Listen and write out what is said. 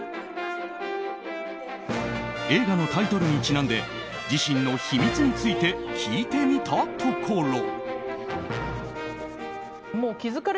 映画のタイトルにちなんで自身の秘密について聞いてみたところ。